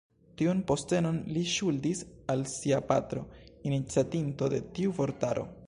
Tiun postenon li ŝuldis al sia patro, iniciatinto de tiu vortaro.